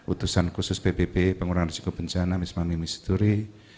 utusan khusus pbb pengurangan risiko bencana mismami misturi